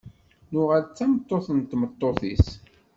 Nuɣal d tameṭṭut d tmeṭṭut-is.